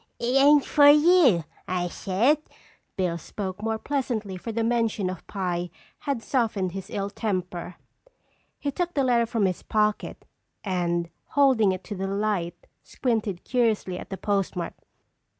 "It ain't fer you, I said." Bill spoke more pleasantly for the mention of pie had softened his ill temper. He took the letter from his pocket and holding it to the light, squinted curiously at the postmark.